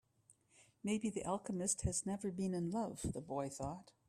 Maybe the alchemist has never been in love, the boy thought.